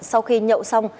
sau khi nhậu xong